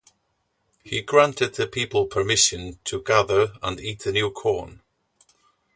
He granted the people permission to gather and eat the new corn.